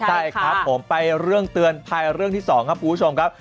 ใช่ครับผมไปเรื่องเตือนภัยเรื่องที่๒ครับคุณผู้ชมครับ